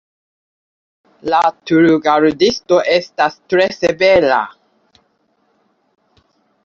La turgardisto estas tre severa.